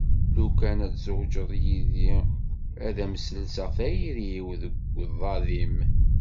Lukan ad tzewǧeḍ yid-i ad am-sselseɣ tayri-w deg uḍad-im.